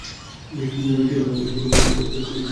বৃষ্টি হলেই নড়বড়ে সেতুর ওপর দিয়ে বাচ্চারা স্কুলে যেতে চায় না।